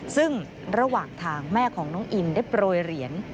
ซึ่งระหว่างทางแม่ของน้องอินได้โปรยเหรียญ